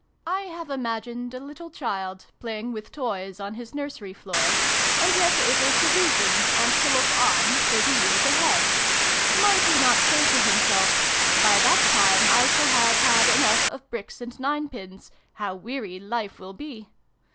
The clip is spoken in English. I have imagined a little child, playing with toys on his nursery floor, and yet able to reason, and to look on, thirty years ahead. Might he not say to himself ' By that time I shall have had enough of bricks and ninepins. How weary Life will be